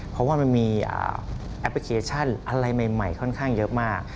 เพราะว่ามันมีแอปพลิเคชันอะไรใหม่ค่อนข้างเยอะมาก